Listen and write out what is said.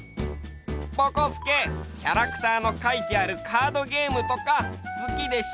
ぼこすけキャラクターのかいてあるカードゲームとかすきでしょ？